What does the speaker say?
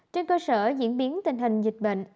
trên cơ sở diễn biến tình hình dịch bệnh